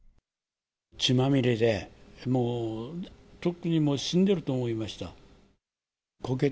血まみれで、もう、とっくにもう死んでると思いました。